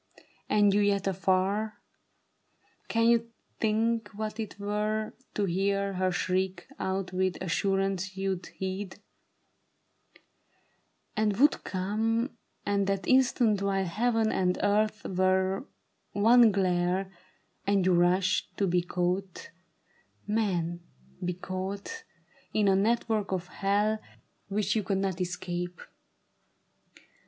And you yet afar ? Can you think what it were To hear her shriek out with assurance you'd heed And would come, and that instant, while heaven and earth Were one glare, and you rushed, to be caught, man, be caught In a network of hell which you could not escape.